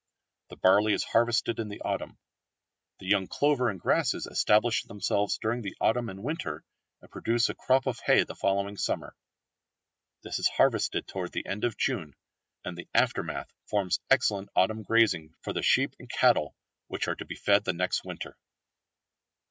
The barley is harvested in the autumn. The young clover and grasses establish themselves during the autumn and winter, and produce a crop of hay the following summer. This is harvested towards the end of June, and the aftermath forms excellent autumn grazing for the sheep and cattle which are to be fed the next winter.